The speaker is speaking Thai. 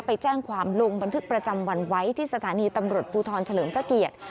ไปแจ้งความลงบันทึกประจำวันไว้ที่สถานีตำรวจภูทรเฉลิมพระเกียรติ